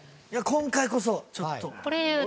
今回こそちょっと。